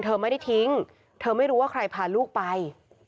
เธอไม่ได้ทิ้งเธอไม่รู้ว่าใครพาลูกไป